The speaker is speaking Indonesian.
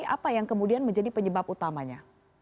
apa yang kemudian menjadi penyebab utamanya